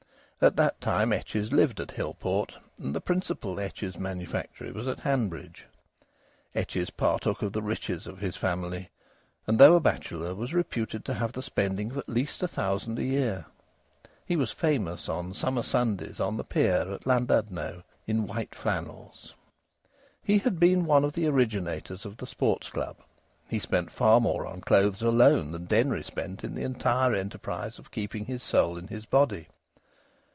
At that time Etches lived at Hillport, and the principal Etches manufactory was at Hanbridge. Etches partook of the riches of his family, and, though a bachelor, was reputed to have the spending of at least a thousand a year. He was famous, on summer Sundays, on the pier at Llandudno, in white flannels. He had been one of the originators of the Sports Club. He spent far more on clothes alone than Denry spent in the entire enterprise of keeping his soul in his body.